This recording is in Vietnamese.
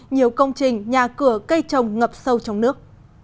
nhiều công trình nhà cửa cây trồng ngập sâu trong nước